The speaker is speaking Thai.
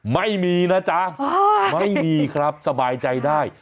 ไม่มีนะจ๊ะไม่มีครับสบายใจได้